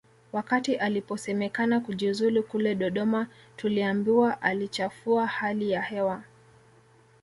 Wakati aliposemekana kujiuzulu kule Dodoma tuliambiwa aliichafua hali ya hewa